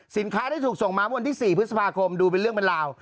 สินค้าได้ถูกส่งมาเมื่อวันที่๔พฤษภาคมดูเป็นเรื่องเป็นราว